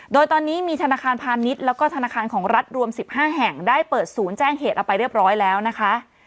โดยตอนนี้มีธนาคารพาณิชย์แล้วก็ธนาคารของรัฐรวม๑๕แห่งได้เปิดศูนย์แจ้งเหตุเอาไปเรียบร้อยแล้วนะคะ